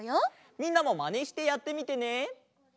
みんなもまねしてやってみてね。